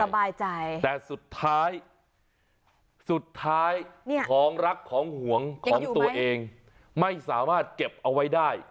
สบายใจแต่สุดท้ายสุดท้ายของรักของห่วงของตัวเองไม่สามารถเก็บเอาไว้ได้